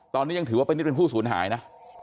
ตอนนี้ยังถือว่าเป็นนี่เป็นผู้สูญหายนะ